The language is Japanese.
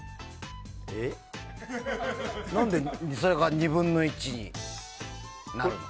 えっ？何でそれが２分の１になるの？